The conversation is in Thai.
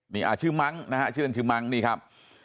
นี่ชื่อมังค์นะครับชื่อเล่นชื่อมังค์นี่ครับ